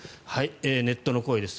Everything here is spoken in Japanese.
ネットの声です。